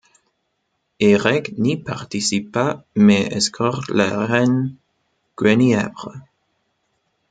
Érec n'y participe pas, mais escorte la reine Guenièvre.